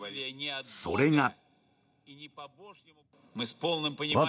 それが。